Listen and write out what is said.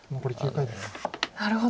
なるほど。